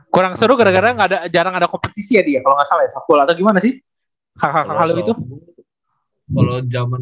kurang seru gara gara jarang ada kompetisi ya di ya kalau gak salah ya softball atau gimana sih